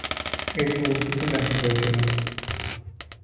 এটি উর্দুতে লেখা হয়েছিল।